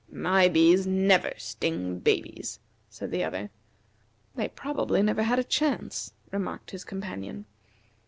"My bees never sting babies," said the other. "They probably never had a chance," remarked his companion.